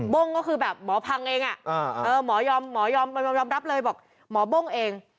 ้งก็คือแบบหมอพังเองหมอยอมหมอยอมรับเลยบอกหมอโบ้งเอง